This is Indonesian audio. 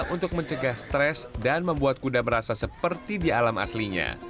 untuk mencegah stres dan membuat kuda merasa seperti di alam aslinya